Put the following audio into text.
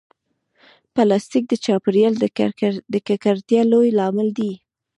پلاستيک د چاپېریال د ککړتیا لوی لامل دی.